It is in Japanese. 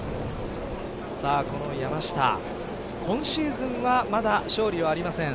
この山下今シーズンはまだ勝利はありません。